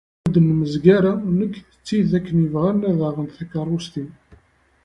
Ur d-nemzeg ara nekk d tid akken yebɣan ad aɣent takerrust-iw.